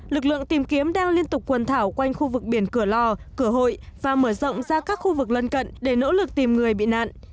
lực lượng tìm kiếm đang liên tục quần thảo quanh khu vực biển cửa lò cửa hội và mở rộng ra các khu vực lân cận để nỗ lực tìm người bị nạn